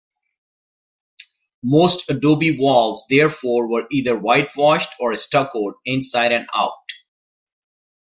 Most adobe walls, therefore, were either whitewashed or stuccoed inside and out.